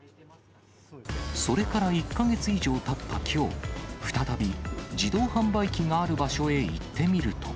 それから１か月以上たったきょう、再び自動販売機がある場所へ行ってみると。